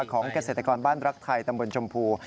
เกษตรกรบ้านรักไทยตำบลชมพู